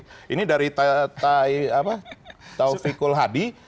pak jekai taufiqul hadi